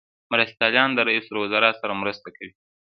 مرستیالان د رئیس الوزرا سره مرسته کوي